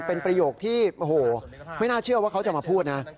เป็นประโยคที่โอ้โหไม่น่าเชื่อว่าเขาจะมาพูดนะ